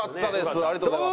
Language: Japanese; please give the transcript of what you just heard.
ありがとうございます。